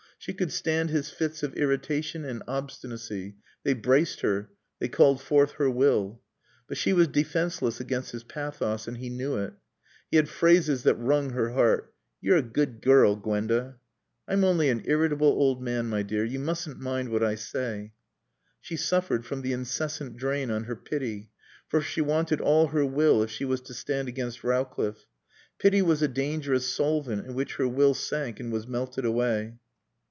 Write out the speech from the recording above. She could stand his fits of irritation and obstinacy; they braced her, they called forth her will. But she was defenseless against his pathos, and he knew it. He had phrases that wrung her heart. "You're a good girl, Gwenda." "I'm only an irritable old man, my dear. You mustn't mind what I say." She suffered from the incessant drain on her pity; for she wanted all her will if she was to stand against Rowcliffe. Pity was a dangerous solvent in which her will sank and was melted away.